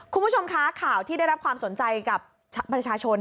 คุณผู้ชมคะข่าวที่ได้รับความสนใจกับประชาชน